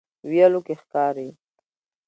ویلو کې ښکاري.